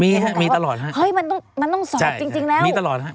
มีครับมีตลอดครับเฮ้ยมันต้องมันต้องสอบจริงแล้วมีตลอดครับ